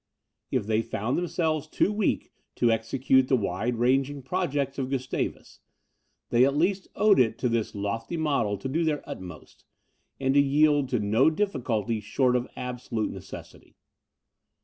If they found themselves too weak to execute the wide ranging projects of Gustavus, they at least owed it to this lofty model to do their utmost, and to yield to no difficulty short of absolute necessity.